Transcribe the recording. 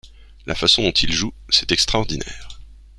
La façon dont il joue, c'est extraordinaire.